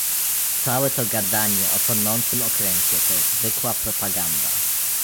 Całe to gadanie o tonącym okręcie to zwykła propaganda